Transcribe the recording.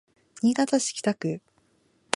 新潟市北区